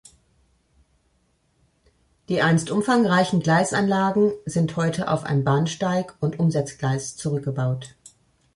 Die einst umfangreichen Gleisanlagen sind heute auf ein Bahnsteig- und Umsetzgleis zurückgebaut.